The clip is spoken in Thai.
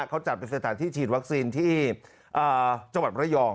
เขาจัดเป็นสถานที่ฉีดวัคซีนที่จังหวัดระยอง